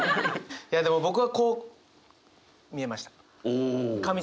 いやでも僕はこう見えました。